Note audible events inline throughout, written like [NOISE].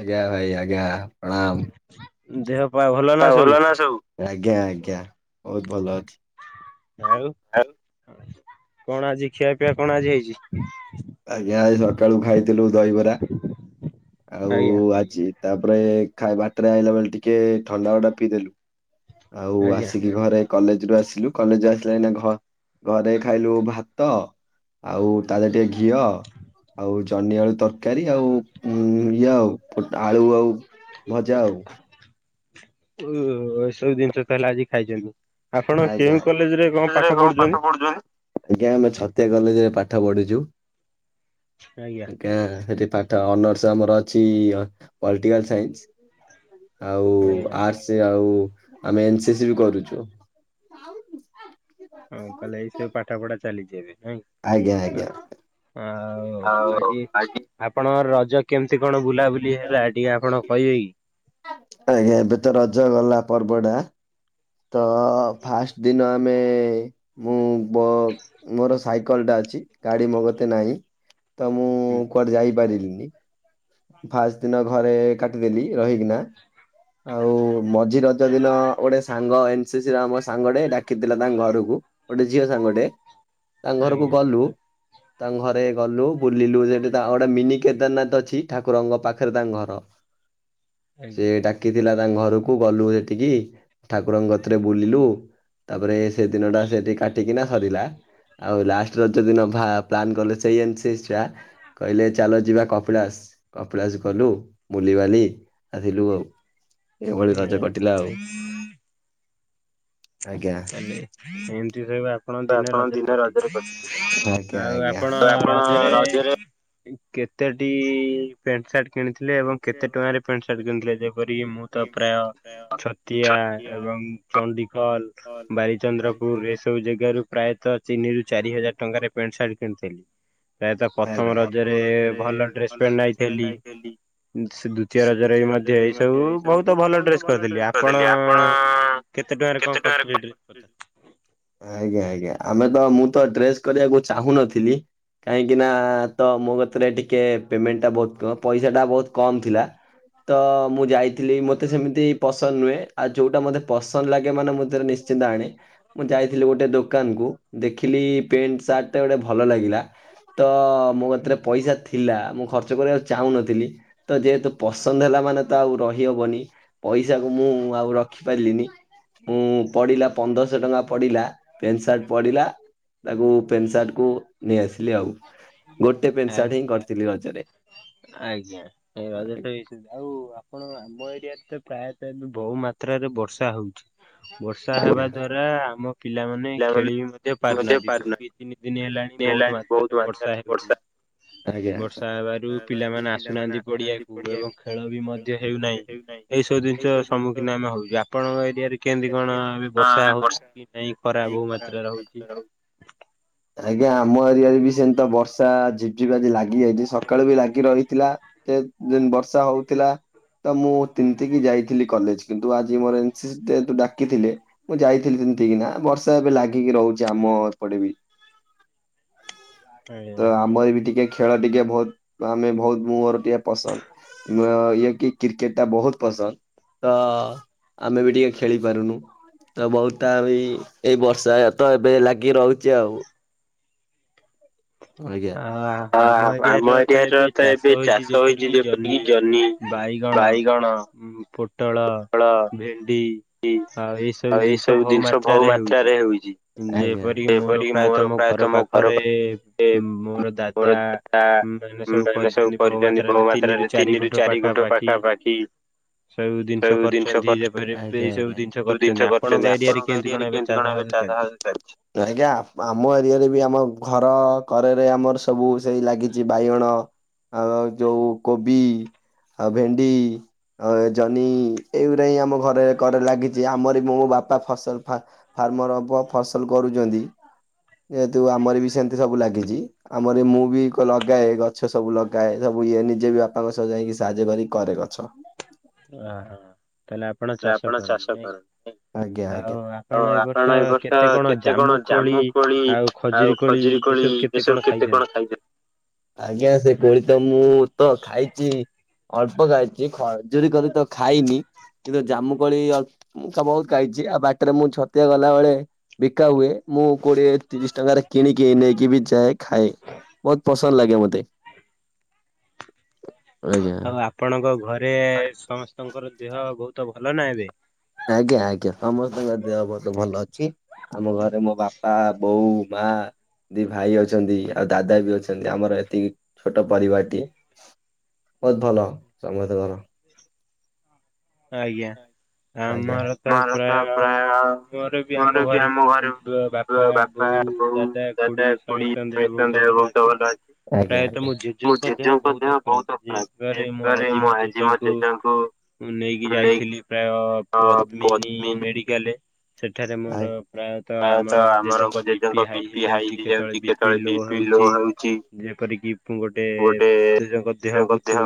ଆଜ୍ଞା ଭାଇ ଆଜ୍ଞା ପ୍ରଣାମ୍। ଦେହ ପାଆ ଭଲ ଭଲ ନା ସବୁ? ଆଉ କଣ ଆଜି ଖିଆ? ଆଜ୍ଞା ଆଜି ସକାଳୁ ଖାଇଥିଲୁ ଦହିବରା। ଆଉ ଆଜି ତାପରେ [UNINTELLIGIBLE] ବାଟରେ ଆଇଲା ବେଳେ ଟିକେ ଥଣ୍ଡା ଗୋଟେ ପିଇଦେଲୁ। ଆଉ ଆସିକି ଘରେ କଲେଜ ରୁ ଆସିଲୁ କଲେଜୁ ଆସିଲା ଘ ଘରେ ଖାଇଲୁ ଭାତ ଆଉ ତା ଦେହରେ ଟିକେ ଘିଅ ଆଉ ଜନ୍ହିଆଳୁ ତରକାରୀ ଆଉ ଉ ଇଏ ଆଉ ଫୁ ଆଳୁ ଆଉ ଭଜା ଆଉ ଓ ଏସବୁ ଜିନିଷ ତା ହେଲେ ଆଜି ଖାଇଛନ୍ତି। ଆପଣ କେଉଁ କଲେଜ ରେ କଣ ପାଠ ପଢୁଛନ୍ତି? କରୁଚନ୍ତି? ଆଜ୍ଞା ଆମେ ଛତିଆ କଲେଜରେ ପାଠ ପଢିଛୁ। ଆଜ୍ଞା। ଆଜ୍ଞା ସେଠି ପାଠ ଅନର୍ସ ଆମର ଅଛି ପଲିଟିକାଲ ସାଇନ୍ସ। ଆଉ ଆର୍ଟସ ଆଉ ଆମେ ଏନସି ସି ବି କରୁଛୁ। ହଁ ତାହେଲେ ଏଇ ସବୁ ପାଠ ପଢା ଚାଲିଛି ଏବେ ନାଇଁ? ଆଜ୍ଞା ଆଜ୍ଞା। ଆଉ ଆଜି ଆପଣଙ୍କର ରଜ କେମିତି କଣ ବୁଲାବୁଲି ହେଲା ଟିକେ ଆପଣ କହିବେ କି? ଆଜ୍ଞା ଏବେ ତ ରଜ ଗଲା ପର୍ବଟା। ତ ଫାଷ୍ଟ ଦିନ ଆମ ଆମେ ମୁଁ ବତ ମୋର ସାଇକଲଟା ଅଛି ଗାଡ଼ି ମୋ କତିରେ ନାହିଁ ତ ମୁଁ କୁଆଡ଼େ ଯାଇପାରିଲିନି। ଫାଷ୍ଟ ଦିନ ଘରେ କାଟିଦେଲି ରହିକିନା। ଆଉ ମଝି ରଜ ଦିନ ଗୋଟେ ସାଙ୍ଗ ଏନସି ସ ର ଆମ ସାଙ୍ଗେଟେ ଡା ଡାକିଥିଲା ତାଙ୍କ ଘରକୁ ଗୋଟେ ଝିଅ ସାଙ୍ଗଟେ ତାଙ୍କ ଘରକୁ ଗଲୁ। ତାଙ୍କ ଘରେ ଗଲୁ ବୁଲିଲୁ ସେଠି ତାଙ୍କ ଗୋଟେ ମିନି କେଦାରନାଥ ଅଛି। ଠାକୁରଙ୍କ ପାଖରେ ତାଙ୍କ ଘର ସେ ଡା କିଥିଲା ତାଙ୍କ ଘରକୁ ଗଲୁ ସେଠିକି ଠାକୁରଙ୍କ କତିରେ ବୁଲିଲୁ। ତାପରେ ସେ ଦିନ ଟା ସେଠି କାଟିକିନା ସରିଲା। ଆଉ ଲାଷ୍ଟ ରଜ ଦିନ ପ୍ଲାନ୍ କଲେ ସେଇ ଏନ୍ ସିସ ଛୁଆ। କହିଲେ ଚାଲ ଯିବା କପିଳାସ। କପଳାସ ଗଲୁ ବୁଲିିବାଲି ଆସିଲୁ ଆଉ ଏଭଳି ରଜ କଟିଲା ଆଉ। ଆଜ୍ଞା। ଏମିତି ସେଇବା ଆପଣ ଦିନ ରଜରେ କଟିିବେ, ଆଉ ଆପଣ ରଜରେ କେତେଟି ପ୍ୟାଣ୍ଟ ସାର୍ଟ କିଣିଥିଲେ ଏବଂ କେତେ ଟଙ୍କାରେ ପ୍ୟାଣ୍ଟ ସାର୍ଟ କିଣିଥିଲେ ଯେପରିକି ମୁଁ ତ ପ୍ରାୟ ଛତିଆ ଏବଂ ଚଣ୍ଡିଖଲ ବାରିଚନ୍ଦ୍ରପୁର ଏସବୁ ଜାଗାରୁ ପ୍ରାୟତଃ ତିନି ରୁ ଚାରି ହଜାର ଟଙ୍କାରେ ପ୍ୟାଣ୍ଟ ସାର୍ଟ କିଣିଥିଲି। ପ୍ରାୟତଃ ପ୍ରଥମ ରଜରେ ଭଲ ଡ୍ରେସ ପେଣ୍ଟ ଆଇଥିଲି। ସେ ଦ୍ଵିତୀୟ ରଜରେ ବି ମଧ୍ୟ ଏଇ ସବୁ ବହୁତ ଭଲ ଡ୍ରେସ କରିଥିଲି ଆପଣ କେତେ ଟଙ୍କାରେ କଣ କରିଥିଲେ ଏ ଡ୍ରେସ ପ ଆଜ୍ଞା ଆଜ୍ଞା ଆମେ ତ ମୁଁ ତ ଡ୍ରେସ କରିବାକୁ ଚାହୁଁନଥିଲି। କି ନା ତ ମୋ କତିରେ ଟିକେ ପେମେଣ୍ଟଟା ବହୁତ କ ପଇସାଟା ବହୁତ କମ୍ ଥିଲା। ତ ମୁଁ ଯାଇଥିଲି ମୋତେ ସେମିତି ପସନ୍ଦ ନୁହେଁ ଆଉ ଯୋଉଟା ମୋତେ ପସନ୍ଦ ଲାଗେ ମାନେ ମୁଁ ତାର ନି ଶ୍ଚିନ୍ତ ଆଣି ମୁଁ ଯାଇଥିଲି ଗୋଟେ ଦୋକାନ କୁ ଦେଖିଲି ପେଣ୍ଟ ସାର୍ଟଟା ଗୋଟେ ଭଲ ଲାଗିଲା। ତ ମୋ କତିରେ ପଇସା ଥିଲା ମୁଁ ଖର୍ଚ୍ଚ କରିବାକୁ ଚାହୁଁନଥିଲି। ତ ଯେହେତୁ ପସନ୍ଦ ହେଲା ମାନେ ତ ଆଉ ରହିହବନି। ପଇସା କ ମୁଁ ଆଉ ରଖି ପାରିଲିନି। ମୁଁ ପଡିଲା ପନ୍ଦରଶହ ଟଙ୍କା ପଡିଲା ପେଣ୍ଟ ସାର୍ଟ ପଡିଲା। ତାକୁ ପେଣ୍ଟ ସାର୍ଟ କୁ ନେଇଆସିଲି ଆଉ। ଗୋଟେ ପେଣ୍ଟ ସାର୍ଟ ହିଁ କରିଥିଲି ରଜରେ। ଆଜ୍ଞା ଏ ରଜ ତ ଏଇ [UNINTELLIGIBLE] ଆଉ ଆପଣ ଆମ ଏରିଆରେ ତ ପ୍ରାୟତ ଏବେ ବହୁ ମାତ୍ରାରେ ବର୍ଷା ହଉଛି। ବର୍ଷା ହେବା ଦ୍ଵାରା ଆମ ପିଲାମାନେ ଖେଳି ବି ମଧ୍ୟ ପାରୁନାହାନ୍ତି। [UNINTELLIGIBLE] ତିନି ଦିନ ହେଲାଣି ବହୁତ ମାତ୍ରାରେ ବର୍ଷା ହେଉଛି। ବର୍ଷା ହେବାରୁ ପିଲାମାନେ ଆସୁନାହାନ୍ତି ପଡିଆକୁ ଏବଂ ଖେଳ ବି ମଧ୍ୟ ହେଉନାହିଁ। ଏଇସବୁ ଜିନିଷ ସମ୍ମୁଖୀନ ଆମେ ହଉଛୁ। ଆ ପଣଙ୍କ ଏରିଆରେ କେମିତି କଣ ଏବେ ବର୍ଷା ହଉଛି କି ନାଇଁ ଖରା ବହୁ ମାତ୍ରାରେ ହଉଛି? ଆ ଆଜ୍ଞା ଆମ ଏରିଆରେ ବି ସେମିତ ବର୍ଷା ଝିପ୍ ଝିପ୍ ଆଜି ଲାଗି ଯାଇଛି ସକାଳୁ ବି ଲାଗି ରହିଥିଲା। ସେ ଯେମ ବର୍ଷା ହଉଥିଲା ତ ମୁଁ ତିନ୍ତିକି ଯାଇଥିଲି କଲେଜ୍ କିନ୍ତୁ ଆଜି ମୋର ଇନସିସ୍ ଯେହେତୁ ଡା କିଥିଲେ ମୁଁ ଯାଇଥିଲି ତିନ୍ତିକିନା ବର୍ଷା ଏବେ ଲାଗିକି ରହୁଛି ଆମ ଏପଟେ ବି। ତ ଆମର ବି ଟିକେ ଖେଳ ଟିକେ ବହୁତ ଆମେ ବହୁତ ମୋର ଟିକେ ପସନ୍ଦ। ମୋ ଇଏ କି କ୍ରିକେଟ୍ ଟା ବହୁତ ପସନ୍ଦ ତ ଆମେ ବି ଟିକେ ଖେଳି ପାରୁନୁ ତ ବହୁ ତା ବି ଏଇ ବର୍ଷା ତ ଏବେ ଲାଗି ରହୁଛି ଆଉ। ଆଉ ଆମ ଏରିଆ ର ତ ଏବେ ଚାଷ ହେଇଛି ଯେପରିକି ଜହ୍ନି ବାଇଗଣ ଉଁ, ପୋଟଳ, ଭେଣ୍ଡି ଆଉ ଏଇ ସବୁ ଜିନିଷ ଭଉ ମାତ୍ରାରେରେ ହେଉଛି। ଯେପରିକି ମୋର ପ୍ରାୟତ ମୋ ଘର ପା ଖରେ ମୋର ଦାଦା ଏମାନେ ସବୁ କରିଛନ୍ତି ଭୋ ମାତ୍ରାରେ ତିନିରୁ ଚାରି ଗୁଣ୍ଠ ପାଖାପାଖି ସବୁ ଜିନିଷ କରଛନ୍ତି ଯେପରି ଏ ଏଇ ସବୁ ଜିନିଷ କରଛନ୍ତି। ଆପଣଙ୍କ ଏରିଆରେ କେମିତି କଣ ଏବେ ଚାଷ ଫାସ ଚାଲିଛି? ଚାଲଛି। ଆଜ୍ଞା ଆମ ଏରିଆରେ ବି ଆମ ଘର କରେରେ ଆମର ସବୁ ସେଇ ଲାଗିଛି ବାଇଗଣ ଆଉ ଯୋଉ କୋବି ଆଉ ଭେଣ୍ଡି ଓ ଏ ଜହ୍ନି ଏଇଗୁଡ଼ା ହିଁ ଆମ ଘରେ କରରେ ଲାଗିଛି ଆମରି ମୋ ବାପା ଫସଲ ଫା ଫାର୍ମର ହବ ଫସଲ କରୁଚନ୍ତି ଯେହେତୁ ଆମର ବି ସେମିତି ସବୁ ଲାଗିଚି। ଆମର ମୁଁ ବି କ-ଲଗାଏ ଗଛ ସବୁ ଲଗାଏ। ସବୁ ଇଏ ନିଜେ ବି ବାପାଙ୍କ ସହ ଯାଇକି ସାହାଯ୍ୟ କରିକି କରେ ଗଛ। ଓ ହଁ ତାହେଲେ ଆ ହେଲେ ଆପଣ ଚାଷ କରନ୍ତି ନାଇଁ? ଆଉ ଆପଣ ଏ ବର୍ଷ କେତେ କଣ ଜାମୁ କୋଳି ଆଉ ଖଜୁରୀ କୋଳି ଏସବୁ କେତେ କଣ ଖାଇଚନ୍? ଆଜ୍ଞା ସେ କୋଳି ତ ମୁଁ ତ ଖାଇଚି ଅଳ୍ପ ଖାଇଚି। ଖଜୁରୀ କୋରି ତ ଖାଇନି। କିନ୍ତୁ ଜାମୁକୋଳି ଅ, ମୁଁ ତ ବହୁତ ଖାଇଛି। ଆଉ ବାଟରେ ମୁଁ ଛତିଆ ଗଲା ବେଳେ ବିକା ହୁଏ ମୁଁ କୋଡିଏ ତିରିଶ ଟଙ୍କାରେ କିଣିକି ନେଇକି ବି ଯାଏ ଖାଏ। ବହୁତ ପସନ୍ଦ ଲାଗେ ମୋତେ। [UNINTELLIGIBLE] ଆଉ ଆପଣଙ୍କ ଘରେ ସମସ୍ତଙ୍କର ଦେହ ବହୁତ ଭଲ ନା ଏବେ? ଆଜ୍ଞା ଆଜ୍ଞା ସମସ୍ତଙ୍କ ଦେହ ବହୁତ ଭଲ ଅଛି। ଆମ ଘରେ ମୋ ବାପା, ବୋଉ, ମା ଦି ଭାଇ ଅଛନ୍ତି ଆଉ ଦାଦା ବି ଅଛନ୍ତି ଆମର ଏତିକି ଛୋଟ ପରିବାରଟି। ବହୁତ ଭଲ ସମସ୍ତଙ୍କର। ଆଜ୍ଞା। ଆମର ତ ପ୍ରାୟ ମୋର ବି ଆମ ଘରେ ବା ବାପା ବୋଉ ଦାଦା ଖୁଡି ସମସ୍ତଙ୍କ ଦେହ ବହୁତ ଭଲ ଅଛି ପ୍ରାୟତଃ ମୋ ଜେ ଜେଜଙ୍କ ଦେହ ବହୁତ ଖରାପ ଯେପରି ମୁଁ ଆଜି ମୋ ଜେଜେଙ୍କୁ ନେଇକି ଯାଇଥିଲି ପ୍ରାୟ ପଦ୍ମିନୀ ମେଡିକାଲେ। ସେଠାରେ ମୋର ପ୍ରାୟତଃ ଆମର ମୋର ଜେଜେଙ୍କ ବି ପି ହାଇ ହେଇଯାଉଛି କେତେବେଳେ ବିି ବି ଲୋ ହଉଛି ଯେପରିକି ଗୋଟେ ଜଜେଙ୍କ ଦେହକୁତ।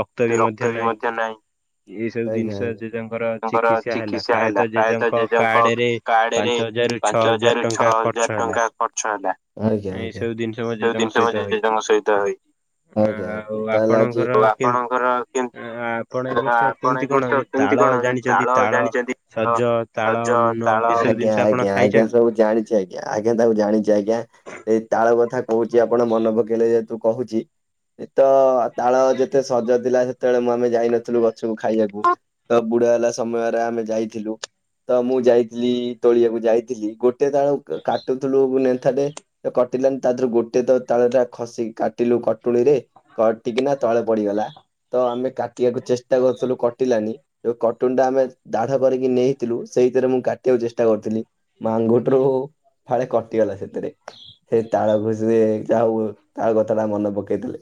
ରକ୍ତ ବି ମଧ୍ୟ ନାହିଁ। ଏଇ ସବୁ ଜିନିଷ ଜେଜେଙ୍କର ଚିକିତ୍ସା ହେଲା ପ୍ରାୟତଃ ଜେଜେଙ୍କ କାର୍ଡ ରେ। ପାଞ୍ଚ ହଜାରରୁ ଛଅ ହଜାର ଟଙ୍କା ଖର୍ଚ୍ଚ ହେଲା। ସବୁ ଜିନିଷ ମୋ ଜେଜେଙ୍କ ସହିତ ହେଇଛି। ଆଉ ଆପଣଙ୍କର କେମ ଆପଣ ଏଇ ବର୍ଷ କେମିତି କଣ ତାଳ ଜାଣିଛନ୍ତି ତାଳ ସଜ ତାଳ ମୁନ ଏସବୁ ଜିନିଷ ଆପଣ ଖାଇଛନ୍ତି। ସବୁ ଜାଣିଚ୍ଛାଇ। ଆଜ୍ଞା ତାକୁ ଜାଣିଛି ଆଜ୍ଞା ଏଇ ତାଳ କଥା କହୁଛି ଆପଣ ମନେ ପକେଇଲେ ଯେହେତୁ କହୁଛି। ଏ ତ ତାଳ ଯେତେ ସଜ ଥିଲା ସେତେବେଳେ ମୁଁ ଆମେ ଯାଇନଥିଲୁ ଗ ଛକୁ ଖାଇବାକୁ ତ ବୁଢ଼ା ହେଲା ସମୟରେ ଆମେ ଯାଇଥିଲୁ। ତ ମୁଁ ଯାଇଥିଲି ତୋଳିବାକୁ ଯାଇଥିଲି ଗୋଟେ ତାଳକୁ କାଟୁଥିଲୁ ନେନ୍ଥାଟେ କଟିଲାନି ତା ଦେରୁ ଗୋଟେ ତ ତାଳ ଟା ଖସି କାଟିଲୁ କଟୁଳିରେ କଟିକି ନା ତଳେ ପଡିଗଲା ତ ଆମେ କାଟିବାକୁ ଚେଷ୍ଟା କରୁଥିଲୁ କଟିଲାନି। ଉ କଟୁନଟା ଆମେ ଦାଢ କରିକି ନେଇଥିଲୁ ସେଇଥିରେ ମୁଁ କାଟିବାକୁ ଚେଷ୍ଟା କରିଥିଲି। ମୋ ଆଙ୍ଗୁଠିରୁ ଫାଳେ କଟିଗଲା ସେଥିରେ। ସେ ତାଳ ଘୋଷରେ ଯାହା ହଉ ତାଳ କଥା ଟା ମନେ ପକେଇଦେଲେ।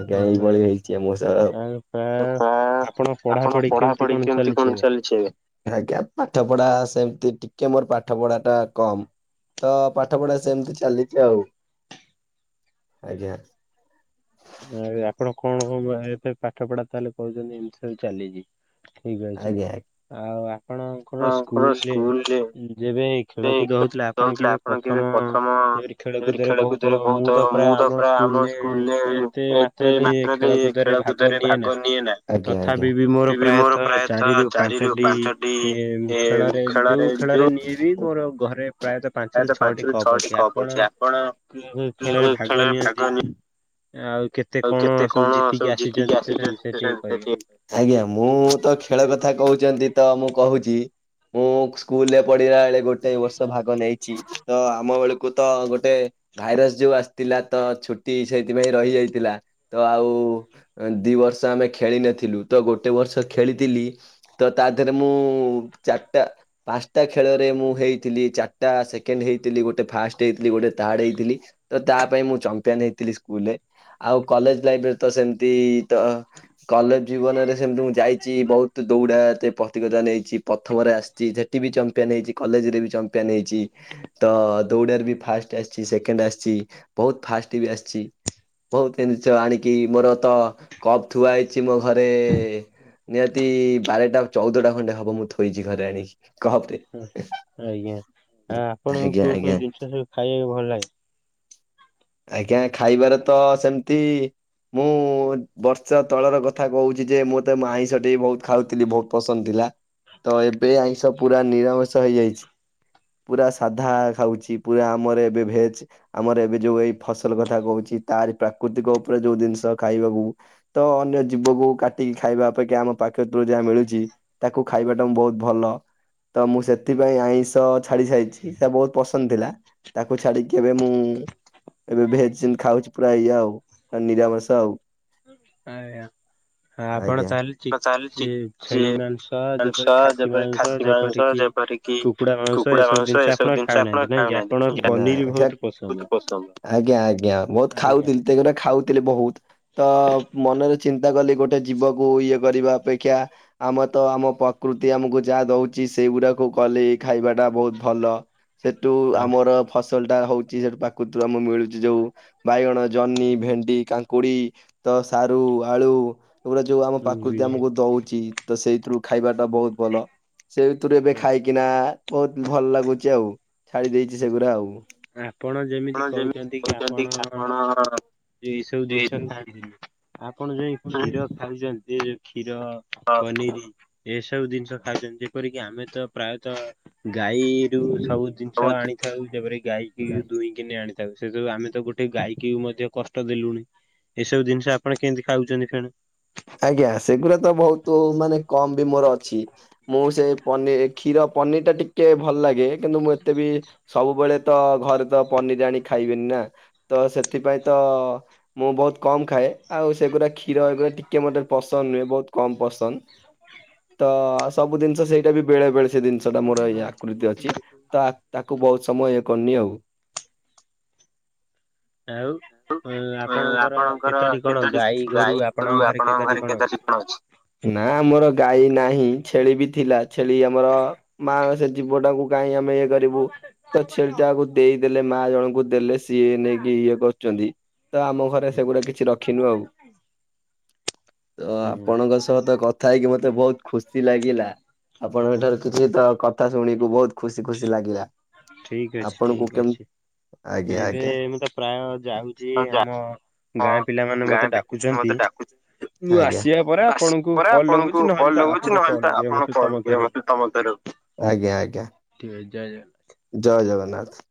ଆଜ୍ଞା ଏଇଭଳି ହେଇଛି ଆମ ସହ। ତପ ଆପଣ ପଢାପଢି କେମିତି କଣ ଚାଲିଛି ଏବେ? ଆଜ୍ଞା ପାଠ ପଢା ସେମିତି ଟିକେ ମୋର ପାଠ ପଢା ଟା କମ୍। ତ ପାଠ ପଢା ସେମତି ଚାଲିଛି ଆଉ ଆଜ୍ଞା। ଆ ଆପଣ କଣ କ ଏତେ ପାଠ ପଢା ତାହେଲେ କହୁଛନ୍ତି ଏମିତି ସବୁ ଚାଲିଛି। ଠିକ ଅଛି। ଆଉ ଆପଣଙ୍କର ସ୍କୁଲ ରେ ଯେବେ ଖେଳକୁଦ ହଉଥିଲା ଆପଣ କେବେ ପ୍ରଥମ ଯେପରି ଖେଳକୁଦରେ ବହୁତ ମୁଁ ତ ପ୍ରାୟ ଆମ ସ୍କୁଲରେ ମାତ୍ରାରେ ଖେଳକୁଦରେ ଭାଗ ନିଏ ନାହିଁ ତଥାପି ବି ମୋର ପ୍ରାୟତଃ ଚାରିରୁ ପାଞ୍ଚଟି ଏ ଖେଳରେ ଯୋଉ ଖେଳରେ ନିଏ ବି ମୋର ଘରେ ପ୍ରାୟତଃ ପାଞ୍ଚ ରୁ ଛଅଟି କପ୍ ଅଛି ଆପଣ କେଉଁ କେଉଁ ଖେଳରେ ଭାଗ ନିଅନ୍ତି? ଆଉ କେତେ କଣ ସବୁ ଜିତିକି ଆସିଛନ୍ତି ସେ ସେ ବିଷୟରେ ଟିକେ କହିବେ? ଆଜ୍ଞା ମୁଁ ତ ଖେଳ କଥା କହୁଛନ୍ତି ତ ମୁଁ କହୁଛି ମୁଁ ସ୍କୁଲରେ ପଢିଲା ବେଳେ ଗୋଟେ ବର୍ଷ ଭାଗ ନେଇଛି ତ ଆମ ବେଳକୁ ତ ଗୋଟେ ଭାଇରସ ଯୋଉ ଆସିଥିଲା ତ ଛୁଟି ସେଇଥିପାଇଁ ରହିଯାଇଥିଲା। ତ ଆଉ ଦି ବର୍ଷ ଆମେ ଖେଳି ନଥିଲୁ ତ ଗୋଟେ ବର୍ଷ ଖେଳିଥିଲି ତ ତା ଦେହରେ ମୁଁ ଚାଟା ପାଞ୍ଚଟା ଖେଳରେ ମୁଁ ହେଇଥିଲି ଚା ଟା ସେକେଣ୍ଡ ହେଇଥିଲି ଗୋଟେ ଫାଷ୍ଟ ହେଇଥିଲି ଗୋଟେ ଥାର୍ଡ ହେଇଥିଲି ତ ତା ପାଇଁ ମୁଁ ଚମ୍ପିଆନ ହେଇଥିଲି ସ୍କୁଲରେ ଆଉ କଲେଜ ଲାଇଫରେ ତ ସେମିତି ତ କଲେଜ ଜୀବନରେ ସେମତି ମୁଁ ଯାଇ ବହୁତ ଦୌଡା ପ୍ରତିଗତା ନେଇଛି ପ୍ରଥମରେ ଆସିଛି ସେଠି ବି ଚମ୍ପିୟନ ହେଇଛି। କଲେଜରେ ବି ଚମ୍ପିଆନ ହେଇଚି। ତ ଦୌଡାରେ ବି ଫାଷ୍ଟ ଆସିଚି ସେକେଣ୍ଡ ଆସିଚି ବହୁତ ଫାଷ୍ଟ ବି ଆସିଚି। ବୋହୁତ ଦିନିଷ ଆଣିକି ମୋର ତ କପ୍ ଥୁଆ ହେଇଚି ମୋ ଘରେ। ନିହାତି ବାରଟା ଚଉଦଟା ଖଣ୍ଡେ ହବ ମୁଁ ଥୋଇଚି ଘରେ ଆଣିକି। ହଁ ଆଜ୍ଞା ଆ ଆପଣଙ୍କୁ କୋଉ କୋଉ ଜିନିଷ ସବୁ ଖାଇବାକୁ ଭଲ ଲାଗେ? ଆଜ୍ଞା ଖାଇବାରେ ତ ସେମିତି ମୁଁ ବର୍ଷ ତଳର କଥା କୋହୁଚି ଯେ ମୁଁ ତ ମୁଁ ଆଇଁଷଟି ବୋହୁତ ଖାଉଥିଲି ବୋହୁତ ପସନ୍ଦ ଥିଲା। ତ ଏବେ ଆଇଁଷ ପୁରା ନିରାମିଷ ହେଇଯାଇଛି। ପୁରା ସାଧା ଖାଉଛି ପୁରା ଆମର ଏବେ ଭେଜ ଆମର ଏବେ ଯୋଉ ଏଇ ଫସଲ କଥା କୋହୁଚି ତାରି ପ୍ରାକୃତିକ ଉପରେ ଯୋଉ ଜିନିଷ ଖାଇବାକୁ ତ ଅନ୍ୟ ଜୀବକୁ କାଟିକି ଖାଇବା ଅପେକ୍ଷା ଆମ ପ୍ରାକୃତିରୁ ଯାହା ମିଳୁଚି ତାକୁ ଖାଇବାଟା ମୁଁ ବୋହୁତ ଭଲ। ତ ମୁଁ ସେଥିପାଇଁ ଆଇଁଷ ଛାଡି ସାରିଛି ସବୁ ବୋହୁତ ପସନ୍ଦ ଥିଲା। ତାକୁ ଛାଡିକି ଏବେ ମୁଁ ଏବେ ଭେଜ୍ ସେମିତି ଖାଉଚି ପୁରା ଇଏ ଆଉ ନିରାମଷ ଆଉ। ଆଜ୍ଞା। ଆପଣ ତାହେଲେ ଚି ଚି ଛେଳି ମାଂସ ଯେପରି ଖାସି ମାଂସ ଯେପରିକି କୁକୁଡା ମାଉଁସ ଏସବୁ ଜିନିଷ ଆପଣ ଖାଉନାହାନ୍ତି ନାଁ କି ଆପଣ ପନିର ବୋହୁତ ପସନ୍ଦ ଆଜ୍ଞା ଆଜ୍ଞା ବୋହୁତ ଖାଉଥିଲି ତେଗୁରା [UNINTELLIGIBLE] ଖାଉଥିଲି ବୋହୁତ। ତ ମନରେ ଚିନ୍ତାକଲି ଗୋଟେ ଜୀବକୁ ଇଏ କରିବା ଅପେକ୍ଷା ଆମର ତ ଆମ ପ୍ରକୃତି ଆମକୁ ଯାହା ଦୋଉଚି ସେଇଗୁଡାକୁ କଲେ ହି ଖାଇବାଟା ବୋହୁତ ଭଲ। ସେଠୁ ଆମର ଫସଲଟା ହୋଉଚି। ସେଠୁ ପ୍ରାକୃତିରୁ ଆମକୁ ମିଳୁଚି ଯୋଉ ବାଇଗଣ, ଜହ୍ନି, ଭେଣ୍ଡି କାଙ୍କୁଡି ତ ସାରୁ ଆଳୁ ଏଗୁଡା ଯୋଉ ଆମ ପ୍ରାକୃତି ଆମକୁ ଦଉଚି ତ ସେଇଥିରୁ ଖାଇବାଟା ବୋହୁ ଭଲ ସେ ଭିତରୁ ଏବେ ଖାଇ କିନା ବୋହୁତ ଭଲ ଲାଗୁଚି ଆଉ ଛାଡି ଦେଇଚି ସେଗୁରା ଆଉ। ଆପଣ ଯେମିତି କୋହୁଚନ୍ତି କି ଆପଣ ଏଇ ସବୁ ଜିନିଷ ଖାଆନ୍ତିନି। ଆପଣ ଯୋଉ ଏ କ୍ଷୀର ଖାଉଚନ୍ତି। ଏ ଯୋଉ କ୍ଷୀର ପନିରି ଏସବୁ ଜିନିଷ ଖାଉଚନ୍ତି ଯେପରିକି ଆମେ ତ ପ୍ରାୟତ ଗାଈ ରୁ ଯୋଉ ସବୁ ଜିନିଷ ଆଣିସଥାଉ ଯେପରି ଗାଈ କି ଦୁହିଁକିନି ଆଣି ଥାଉ ସେ ସବୁ ଆମେ ତ ଗୋଟେ ଗାଈକି ବି ମଧ୍ୟ କଷ୍ଟ ଦେଲୁଣି ଏସବୁ ଜିନିଷ ଆପଣ କେମିତି ଖାଉଚନ୍ତି ଫେଣେ? ଆଜ୍ଞା ସେଗୁର ତ ବହୁତ ମାନେ କମ୍ ବି ମୋର ଅଛି। ମୁଁ ସେ ପନିର କ୍ଷୀର ପନିରଟା ଟିକେ ଭଲ ଲାଗେ କିନ୍ତୁ ମୁଁ ଏତେ ବି ସବୁବେଳେ ତ ଘରେ ତ ପନିର ଆଣି ଖାଇବିନି ନା। ତ ସେଥିପାଇଁ ତ ମୁଁ ବୋହୁତ କମ୍ ଖାଏ ଆଉ ସେଗୁରା କ୍ଷୀର ଏଗୁଡା ଟି କେ ମତେ ପସନ୍ଦ ନୁହେଁ ବୋହୁତ କମ୍ ପସନ୍ଦ, ତ ସବୁ ଜିନିଷ ସେଇଟା ବି ବେଳେ ବେଳେ ସେ ଜିନିଷଟା ମୋର ଏଇ ଆକୃତି ଅଛି ତ ଆ ତାକୁ ବୋହୁତ ସମୟ ଏଇ କରିନି ଆଉ। ଆଉ ଆଁ ଆପଣଙ୍କର କେତୋଟି ଗାଈ ଗୋରୁ ଆପଣଙ୍କ ଘରେ କେତୋଟି କଣ ଅଛି? ନାଁ ମୋର ଗାଈ ନାହିଁ ଛେଳି ବି ଥିଲା। ଛେଳି ଆମର ମା ସେ ଜୀବଟାକୁ କାଇଁ ଆମେ ଇଏ କରିବୁ। ତ ଛେଳିଟାକୁ ଦେଇଦେଲେ ମା ଜଣଙ୍କୁ ଦେଲେ ସିଏ ନେଇକି ଇଏ କରୁଚନ୍ତି। ତ ଆମ ଘରେ ସେଗୁଡା କିଛି ରଖିନୁ ଆଉ। ତ ଆପଣଙ୍କ ସହ ତ କଥା ହେଇକି ମତେ ବୋହୁତ ଖୁସି ଲାଗିଲା। ଆପଣଙ୍କ ଠାରୁ କିଛି ତ କଥା ଶୁଣିକୁ ବହୁତ ଖୁସି ଖୁସି ଲାଗିଲା। ଠିକ୍ ଅଛି ଠିକ୍ ଅଛି ଏବେ ମୁଁ ତ ପ୍ରାୟ ଯାଉଚି ଆମ ଗାଁ ପିଲାମାନେମତେ ଡାକୁଛନ୍ତି ମୁଁ ଆସିବା ପରେ ଆପଣଙ୍କୁ କଲ ଲଗଉଛି ନହେଲେ ତ ଆପଣ କଲ ଲଗେଇ ମତେ ତମ ଧରେ ତମର ଆଜ୍ଞା ଆଜ୍ଞା। ଠିକ୍ ଅଛି ଜୟ ଜଗନ୍ନାଥ। ଜୟ ଜଗନ୍ନାଥ।